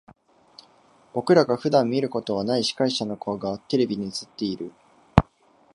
僕らが普段見ることはない司会者の顔がテレビに映っている。